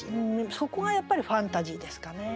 そこがやっぱりファンタジーですかね。